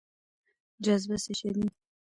جاذبه څه شی دی؟